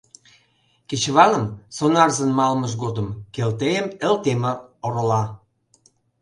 Кечывалым, сонарзын малымыж годым, Келтейым Элтемыр орола.